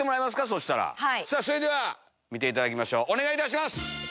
それでは見ていただきましょうお願いいたします。